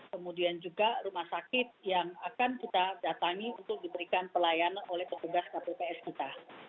kemudian juga rumah sakit yang akan kita datangi untuk diberikan pelayanan oleh petugas kpps kita